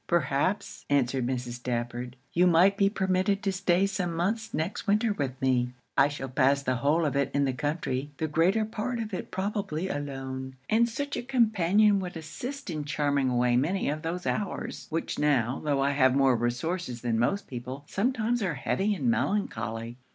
'Perhaps,' answered Mrs. Stafford, 'you might be permitted to stay some months next winter with me. I shall pass the whole of it in the country; the greatest part of it probably alone; and such a companion would assist in charming away many of those hours, which now, tho' I have more resources than most people, sometimes are heavy and melancholy.